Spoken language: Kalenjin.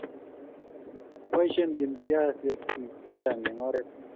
Baisheen Kim siashek chii chechang eng oret